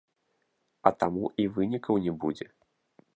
А таму і вынікаў не будзе.